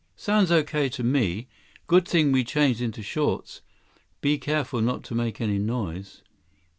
"Sounds okay to me. Good thing we changed into shorts. Be careful not to make any noise."